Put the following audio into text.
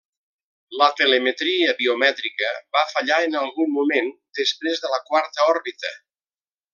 La telemetria biomètrica va fallar en algun moment després de la quarta òrbita.